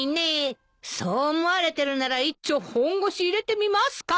そう思われてるなら一丁本腰入れてみますか！